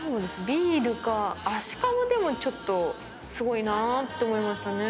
ビールかアシカもでもちょっとすごいなって思いましたね。